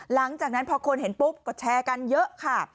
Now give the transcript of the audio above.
หลังจากนั้นพอคนเห็นปุ๊บก็แชร์กันเยอะค่ะ